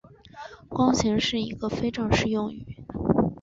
弓形是一个非正式用语。